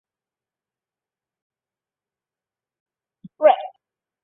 长春铁路运输中级法院是中华人民共和国吉林省的铁路运输中级法院。